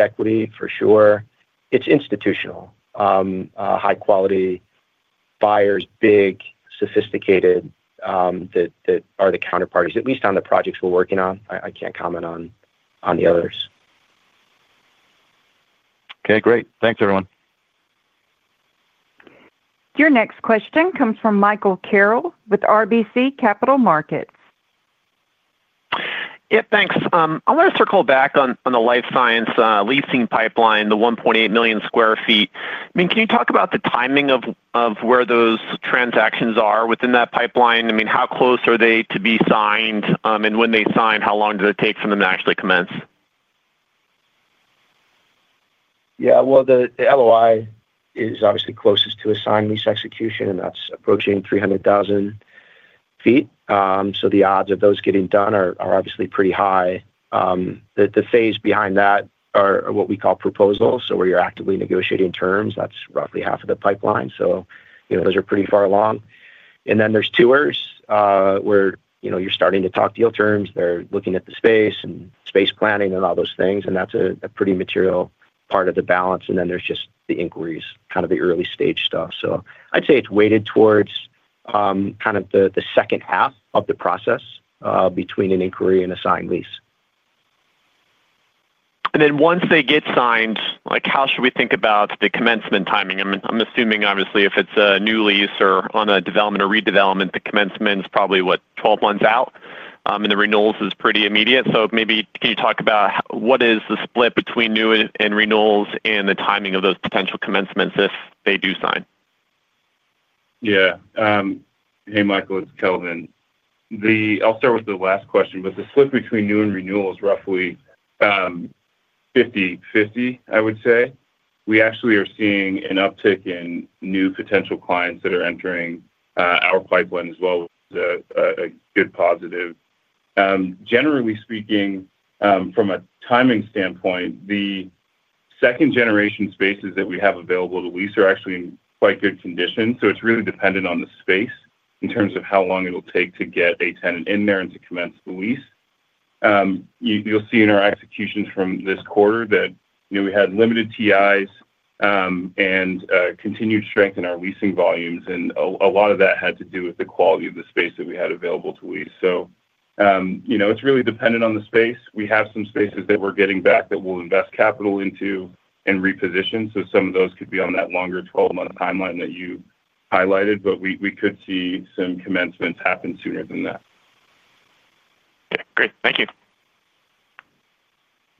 equity, for sure. It's institutional. High-quality buyers, big, sophisticated, that are the counterparties, at least on the projects we're working on. I can't comment on the others. Okay. Great. Thanks, everyone. Your next question comes from Michael Carroll with RBC Capital Markets. Yeah, thanks. I want to circle back on the life science leasing pipeline, the 1.8 million sq ft. Can you talk about the timing of where those transactions are within that pipeline? How close are they to be signed? When they sign, how long does it take for them to actually commence? Yeah. The LOI is obviously closest to a signed lease execution, and that's approaching 300,000 ft. The odds of those getting done are obviously pretty high. The phase behind that are what we call proposals, where you're actively negotiating terms. That's roughly half of the pipeline, so those are pretty far along. Then there's tours where you're starting to talk deal terms. They're looking at the space and space planning and all those things. That's a pretty material part of the balance. Then there's just the inquiries, kind of the early-stage stuff. I'd say it's weighted towards the second half of the process between an inquiry and a signed lease. Once they get signed, how should we think about the commencement timing? I'm assuming, obviously, if it's a new lease or on a development or redevelopment, the commencement is probably, what, 12 months out, and the renewals are pretty immediate. Maybe can you talk about what is the split between new and renewals and the timing of those potential commencements if they do sign? Yeah. Hey, Michael. It's Kelvin. I'll start with the last question. With the split between new and renewals, roughly 50/50, I would say. We actually are seeing an uptick in new potential clients that are entering our pipeline as well, which is a good positive. Generally speaking, from a timing standpoint, the second-generation spaces that we have available to lease are actually in quite good condition. It is really dependent on the space in terms of how long it'll take to get a tenant in there and to commence the lease. You'll see in our executions from this quarter that we had limited TIs and continued strength in our leasing volumes. A lot of that had to do with the quality of the space that we had available to lease. It is really dependent on the space. We have some spaces that we're getting back that we'll invest capital into and reposition. Some of those could be on that longer 12-month timeline that you highlighted. We could see some commencements happen sooner than that. Yeah, great. Thank you.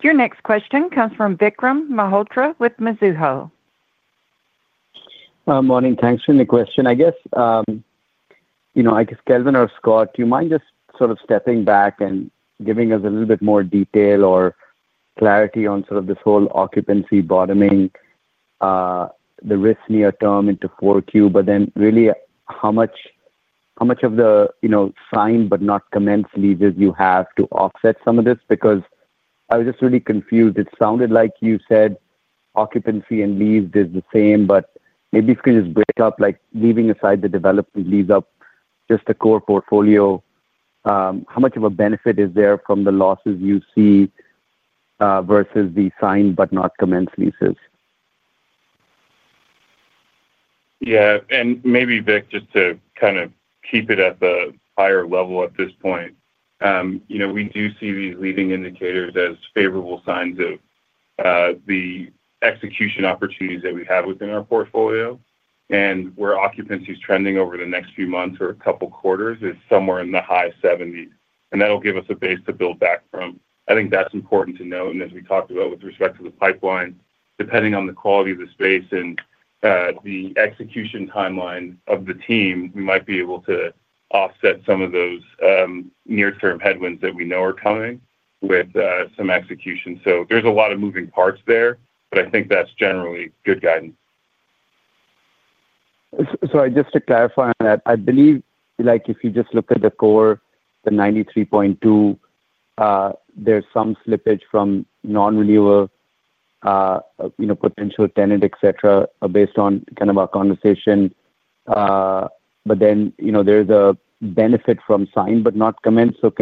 Your next question comes from Vikram Malhotra with Mizuho. Morning. Thanks for the question. Kelvin or Scott, do you mind just sort of stepping back and giving us a little bit more detail or clarity on this whole occupancy bottoming, the risks near term into 4Q, but then really how much of the sign but not commence leases you have to offset some of this? I was just really confused. It sounded like you said occupancy and lease is the same, but maybe if you could just break up, like leaving aside the development lease up, just the core portfolio, how much of a benefit is there from the losses you see versus the sign but not commence leases? Yeah. Maybe, Vic, just to kind of keep it at the higher level at this point, we do see these leading indicators as favorable signs of the execution opportunities that we have within our portfolio. Where occupancy is trending over the next few months or a couple of quarters is somewhere in the high 70%. That'll give us a base to build back from. I think that's important to note. As we talked about with respect to the pipeline, depending on the quality of the space and the execution timeline of the team, we might be able to offset some of those near-term headwinds that we know are coming with some execution. There are a lot of moving parts there, but I think that's generally good guidance. Just to clarify on that, I believe if you just look at the core, the 93.2%, there's some slippage from non-renewal, potential tenant, etc., based on our conversation. There's a benefit from sign but not commence. Are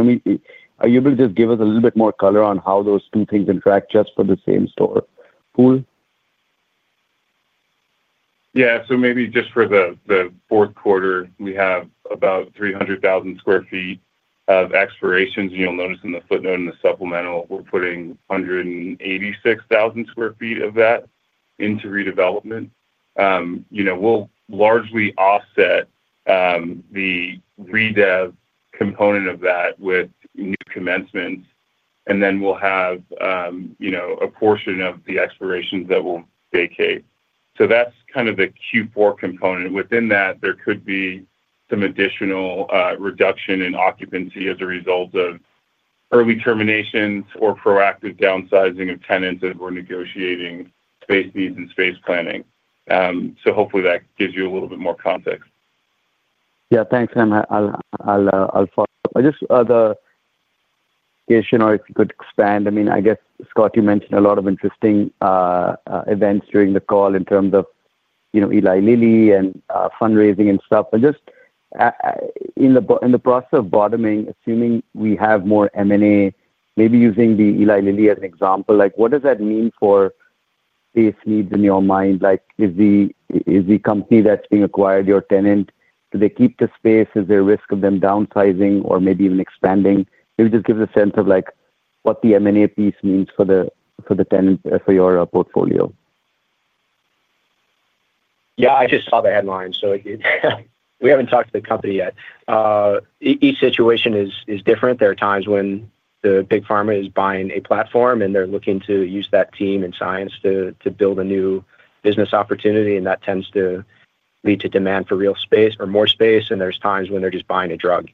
you able to just give us a little bit more color on how those two things interact just for the same-store pool? Yeah. Maybe just for the fourth quarter, we have about 300,000 sq ft of expirations. You'll notice in the footnote and the supplemental, we're putting 186,000 sq ft of that into redevelopment. We'll largely offset the redevelopment component of that with new commencements, and then we'll have a portion of the expirations that will vacate. That's kind of the Q4 component. Within that, there could be some additional reduction in occupancy as a result of early terminations or proactive downsizing of tenants as we're negotiating space needs and space planning. Hopefully, that gives you a little bit more context. Yeah. Thanks, Emma. I'll follow up. I just, the occasion, or if you could expand, I mean, I guess, Scott, you mentioned a lot of interesting events during the call in terms of, you know, Eli Lilly and fundraising and stuff. Just in the process of bottoming, assuming we have more M&A, maybe using the Eli Lilly as an example, what does that mean for space needs in your mind? Is the company that's being acquired your tenant, do they keep the space? Is there a risk of them downsizing or maybe even expanding? Maybe just give us a sense of what the M&A piece means for the tenant for your portfolio. Yeah. I just saw the headline. We haven't talked to the company yet. Each situation is different. There are times when the big pharma is buying a platform and they're looking to use that team and science to build a new business opportunity, and that tends to lead to demand for real space or more space. There are times when they're just buying a drug,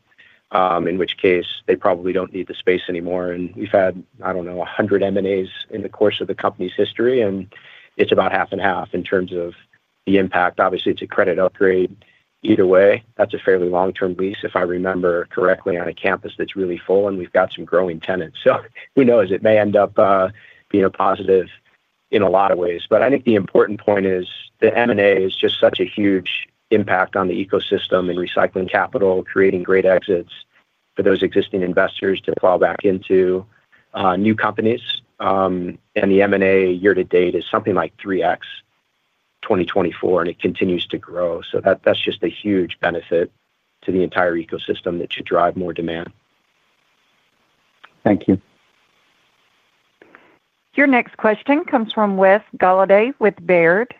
in which case they probably don't need the space anymore. We've had, I don't know, 100 M&As in the course of the company's history, and it's about half and half in terms of the impact. Obviously, it's a credit upgrade. Either way, that's a fairly long-term lease, if I remember correctly, on a campus that's really full, and we've got some growing tenants. Who knows? It may end up being a positive in a lot of ways. I think the important point is the M&A is just such a huge impact on the ecosystem and recycling capital, creating great exits for those existing investors to plow back into new companies. The M&A year-to-date is something like 3x in 2024, and it continues to grow. That's just a huge benefit to the entire ecosystem that should drive more demand. Thank you. Your next question comes from Wesley Golladay with Baird.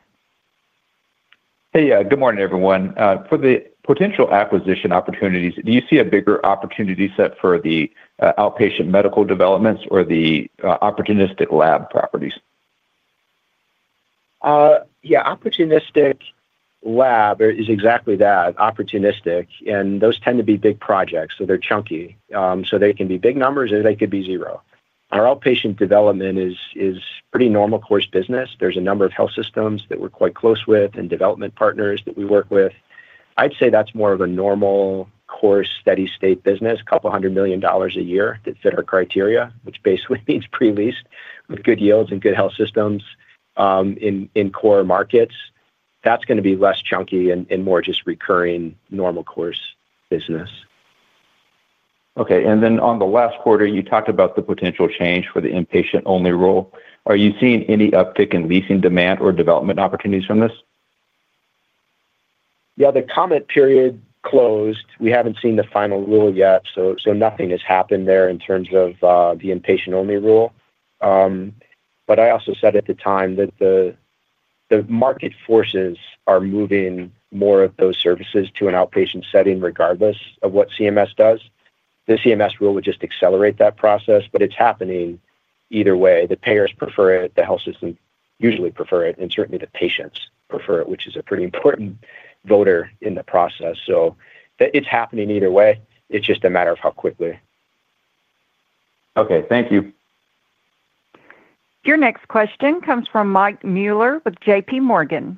Hey, good morning, everyone. For the potential acquisition opportunities, do you see a bigger opportunity set for the outpatient medical developments or the opportunistic lab properties? Yeah. Opportunistic lab is exactly that, opportunistic. Those tend to be big projects, so they're chunky. They can be big numbers or they could be zero. Our outpatient development is pretty normal course business. There's a number of health systems that we're quite close with and development partners that we work with. I'd say that's more of a normal course steady-state business, a couple hundred million dollars a year that fit our criteria, which basically means pre-leased with good yields and good health systems in core markets. That's going to be less chunky and more just recurring normal course business. Okay. On the last quarter, you talked about the potential change for the inpatient-only rule. Are you seeing any uptick in leasing demand or development opportunities from this? Yeah. The comment period closed. We haven't seen the final rule yet. Nothing has happened there in terms of the inpatient-only rule. I also said at the time that the market forces are moving more of those services to an outpatient setting regardless of what CMS does. The CMS rule would just accelerate that process, but it's happening either way. The payers prefer it. The health systems usually prefer it, and certainly, the patients prefer it, which is a pretty important voter in the process. It's happening either way. It's just a matter of how quickly. Okay, thank you. Your next question comes from Mike Mueller with JPMorgan.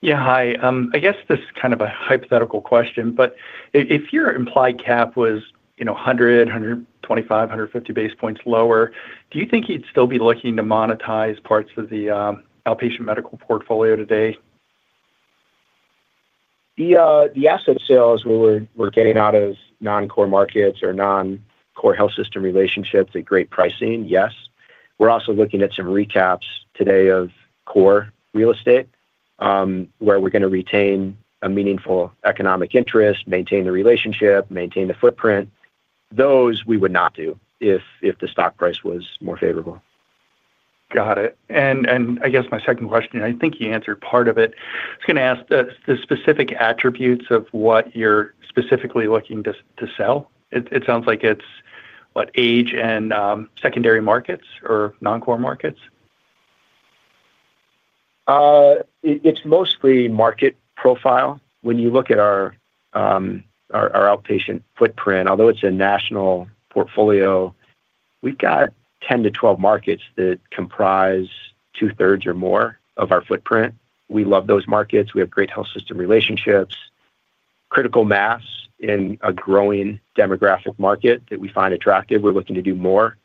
Yeah. Hi. I guess this is kind of a hypothetical question, but if your implied cap was, you know, 100, 125, 150 base points lower, do you think you'd still be looking to monetize parts of the outpatient medical portfolio today? The asset sales where we're getting out of non-core markets or non-core health system relationships at great pricing, yes. We're also looking at some recaps today of core real estate where we're going to retain a meaningful economic interest, maintain the relationship, maintain the footprint. Those we would not do if the stock price was more favorable. Got it. I guess my second question, I think you answered part of it. I was going to ask the specific attributes of what you're specifically looking to sell. It sounds like it's, what, age and secondary markets or non-core markets? It's mostly market profile. When you look at our outpatient footprint, although it's a national portfolio, we've got 10-12 markets that comprise two-thirds or more of our footprint. We love those markets. We have great health system relationships, critical mass in a growing demographic market that we find attractive. We're looking to do more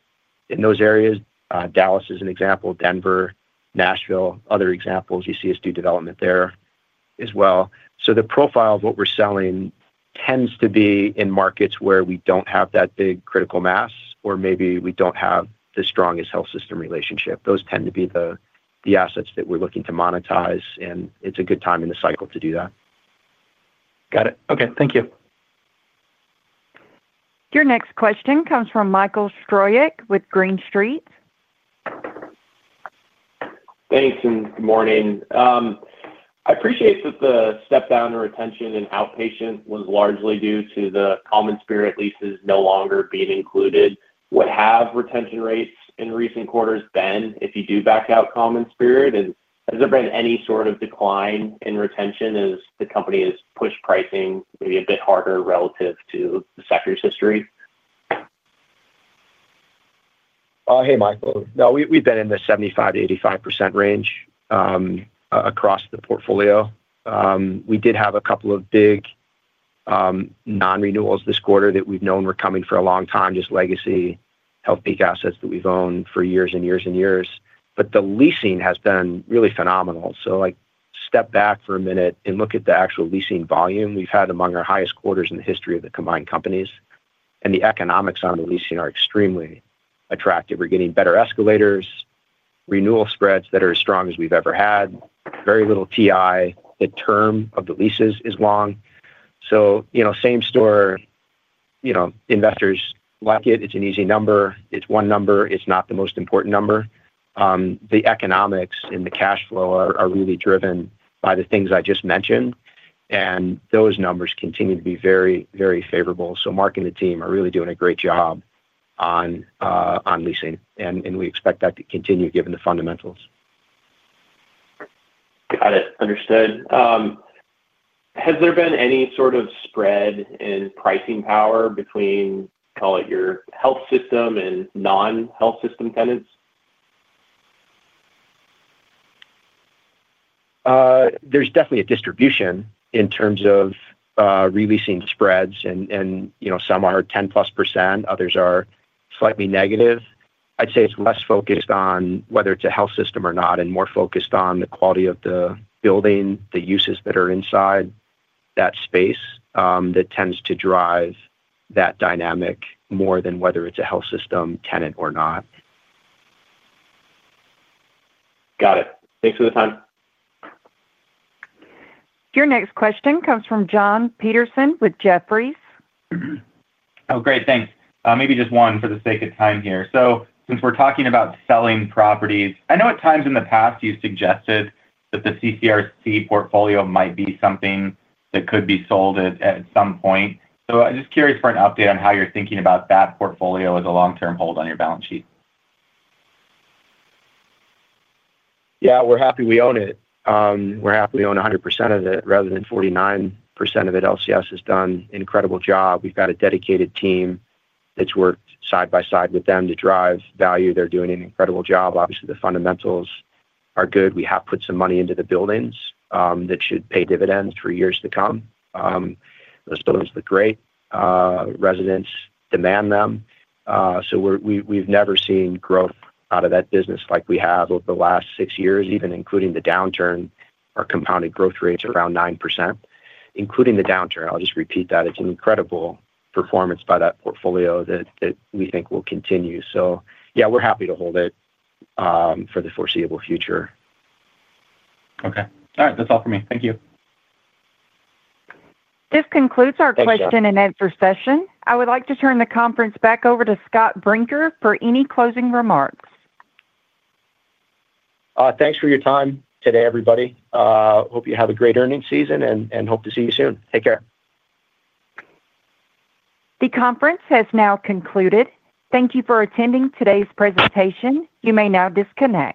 in those areas. Dallas is an example. Denver, Nashville, other examples. You see us do development there as well. The profile of what we're selling tends to be in markets where we don't have that big critical mass or maybe we don't have the strongest health system relationship. Those tend to be the assets that we're looking to monetize, and it's a good time in the cycle to do that. Got it. Okay, thank you. Your next question comes from Michael Stroyeck with Green Street. Thanks. Good morning. I appreciate that the step-down in retention in outpatient was largely due to the CommonSpirit leases no longer being included. What have retention rates in recent quarters been if you do back out CommonSpirit? Has there been any sort of decline in retention as the company has pushed pricing maybe a bit harder relative to the sector's history? Hey, Michael. No, we've been in the 75%-85% range across the portfolio. We did have a couple of big non-renewals this quarter that we've known were coming for a long time, just legacy Healthpeak assets that we've owned for years and years and years. The leasing has been really phenomenal. Step back for a minute and look at the actual leasing volume. We've had among our highest quarters in the history of the combined companies, and the economics on the leasing are extremely attractive. We're getting better escalators, renewal spreads that are as strong as we've ever had, very little TI. The term of the leases is long. Same-store, you know, investors like it. It's an easy number. It's one number. It's not the most important number. The economics and the cash flow are really driven by the things I just mentioned, and those numbers continue to be very, very favorable. Mark and the team are really doing a great job on leasing, and we expect that to continue given the fundamentals. Got it. Understood. Has there been any sort of spread in pricing power between, call it, your health system and non-health system tenants? There's definitely a distribution in terms of releasing spreads. Some are 10+%. Others are slightly negative. I'd say it's less focused on whether it's a health system or not and more focused on the quality of the building, the uses that are inside that space. That tends to drive that dynamic more than whether it's a health system tenant or not. Got it. Thanks for the time. Your next question comes from John Petersen with Jefferies. Oh, great. Thanks. Maybe just one for the sake of time here. Since we're talking about selling properties, I know at times in the past you suggested that the CCRC portfolio might be something that could be sold at some point. I'm just curious for an update on how you're thinking about that portfolio as a long-term hold on your balance sheet. Yeah. We're happy we own it. We're happy we own 100% of it rather than 49% of it. LCS has done an incredible job. We've got a dedicated team that's worked side by side with them to drive value. They're doing an incredible job. Obviously, the fundamentals are good. We have put some money into the buildings that should pay dividends for years to come. Those buildings look great. Residents demand them. We've never seen growth out of that business like we have over the last six years, even including the downturn. Our compounded growth rate is around 9%, including the downturn. I'll just repeat that. It's an incredible performance by that portfolio that we think will continue. Yeah, we're happy to hold it for the foreseeable future. Okay. All right. That's all for me. Thank you. This concludes our question and answer session. I would like to turn the conference back over to Scott Brinker for any closing remarks. Thanks for your time today, everybody. Hope you have a great earnings season and hope to see you soon. Take care. The conference has now concluded. Thank you for attending today's presentation. You may now disconnect.